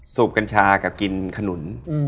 สูบกัญชากับกินขนุน